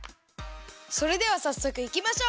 それではさっそくいきましょう！